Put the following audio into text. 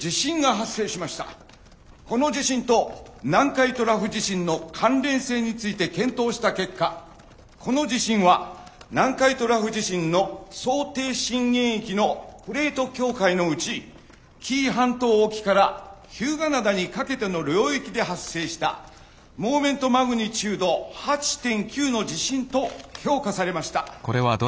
この地震と南海トラフ地震の関連性について検討した結果この地震は南海トラフ地震の想定震源域のプレート境界のうち紀伊半島沖から日向灘にかけての領域で発生したモーメントマグニチュード８．９の地震と評価されました。